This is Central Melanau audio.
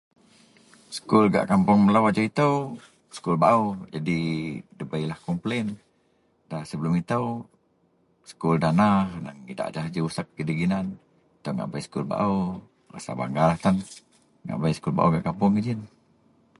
sekul gak kapoung melou ajau itou, sekul baau jadi debeilah komplen, da sebelum itou, sekul dana diak anang idaklah ji rusek gidei ginan, itou ngak bei sekul baau, rasa bangga tan, ngak bei sekul baau gak kapoung ji ien